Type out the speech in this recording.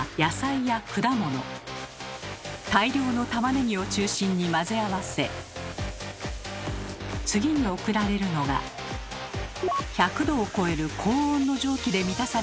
大量のたまねぎを中心に混ぜ合わせ次に送られるのが１００℃を超える高温の蒸気で満たされたタンク。